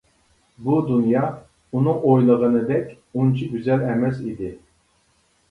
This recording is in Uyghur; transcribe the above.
، بۇ دۇنيا ئۇنىڭ ئويلىغىنىدەك ئۇنچە گۈزەل ئەمەس ئىدى.